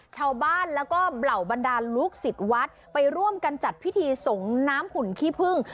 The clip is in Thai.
ชาวบ้านแล้วก็เหล่าบรรดาลูกศิษย์วัดไปร่วมกันจัดพิธีสงน้ำหุ่นขี้พึ่ง